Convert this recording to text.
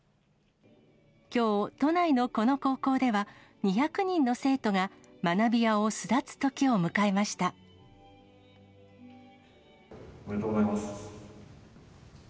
きょう、都内のこの高校では、２００人の生徒が、おめでとうございます。